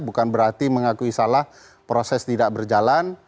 bukan berarti mengakui salah proses tidak berjalan